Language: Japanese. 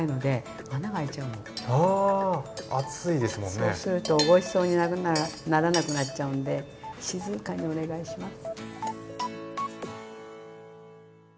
そうするとおいしそうにならなくなっちゃうんで静かにお願いします。